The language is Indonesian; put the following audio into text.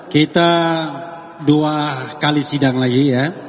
kita dua kali sidang lagi ya